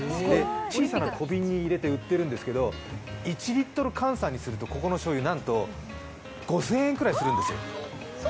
小さな小瓶に入れて売っているんですけど、１リットル換算にすると、ここのしょうゆなんと５０００円くらいするんですよ。